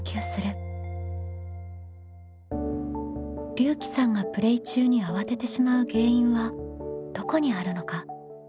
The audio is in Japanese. りゅうきさんがプレイ中にあわててしまう原因はどこにあるのか？